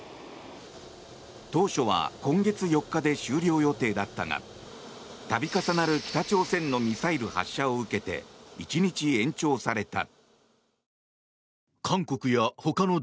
当初は今月４日で終了予定だったが度重なる北朝鮮のミサイル発射を受けて１日延長された。